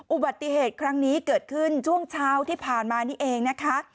อุบัติเหตุครั้งนี้เกิดขึ้นช่วงเช้าที่ผ่านมานี่เองนะคะ